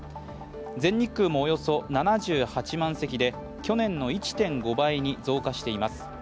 全日空もおよそ７８万席で、去年の１．５倍に増加しています。